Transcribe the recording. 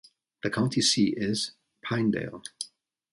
The county seat is Pinedale.